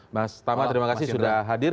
mas tama terima kasih sudah hadir